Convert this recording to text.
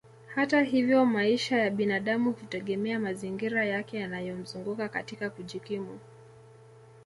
Hata hivyo maisha ya binadamu hutegemea mazingira yake yanayomzunguka katika kujikimu